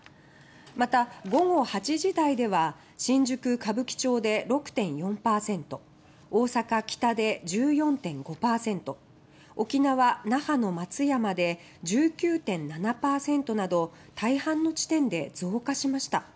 また、午後８時台では新宿・歌舞伎町で６．４％大阪・キタで１４．５％沖縄・那覇の松山で１９．７％など大半の地点で増加しました。